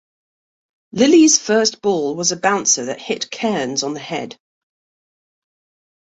Lillee's first ball was a bouncer that hit Cairns on the head.